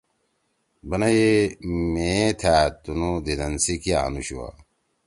بنئی میئے تھأ تُنُو دیدن سی کیا انو شُوا۔